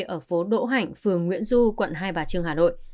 ở phố đỗ hạnh phường nguyễn du quận hai bà trưng hà nội